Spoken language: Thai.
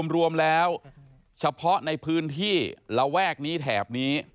รวมแล้วเฉพาะในพื้นที่ระแวกนี้แถบนี้